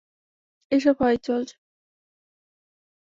এসব হয়েই চলছে।